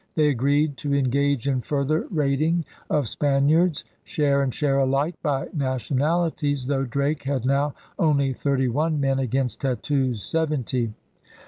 They agreed to engage in further raiding of Spaniards, share and share alike by nationalities, though Drake had now only thirty one men against Tetu's seventy.